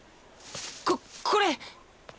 ここれ。